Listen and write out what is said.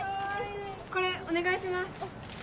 これお願いします。